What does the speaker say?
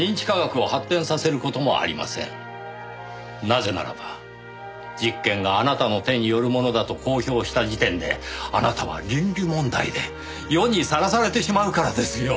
なぜならば実験があなたの手によるものだと公表した時点であなたは倫理問題で世にさらされてしまうからですよ。